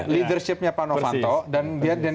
leadershipnya pak novanto dan dia